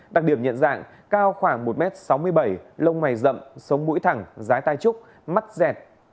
đặc điểm nhận dạng cao khoảng một m sáu mươi bảy lông mày rậm sống mũi thẳng giá tai trúc mắt dẹt